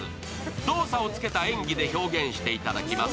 動作をつけた演技で表現していただきます。